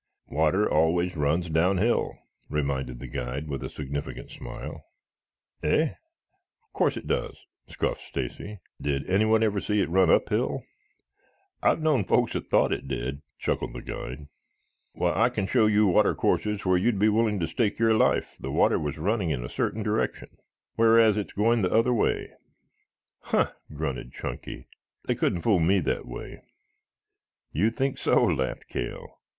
"Water always runs down hill," reminded the guide with a significant smile. "Eh? Of course it does," scoffed Stacy. "Did anyone ever see it run uphill?" "I've known folks that thought it did," chuckled the guide. "Why, I can show you watercourses where you'd be willing to stake your life the water was running in a certain direction, whereas it's going the other way." "Humph!" grunted Chunky. "They couldn't fool me that way." "You think so?" laughed Cale.